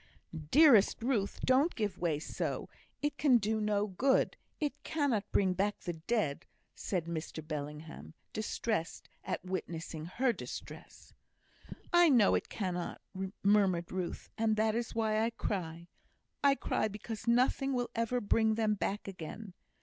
"Dearest Ruth, don't give way so. It can do no good; it cannot bring back the dead," said Mr Bellingham, distressed at witnessing her distress. "I know it cannot," murmured Ruth; "and that is why I cry. I cry because nothing will ever bring them back again."